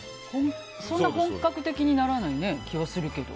そんな本格的にならない気がするけど。